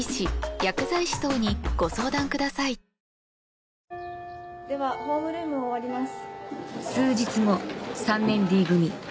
ＮＥＷ！ではホームルーム終わります。